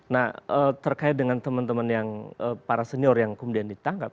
nah terkait dengan teman teman yang para senior yang kemudian ditangkap